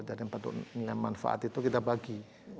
jadi untuk nilai manfaat itu kita bagi